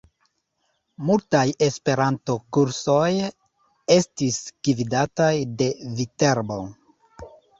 Multaj esperanto-kursoj estis gvidataj de Viterbo.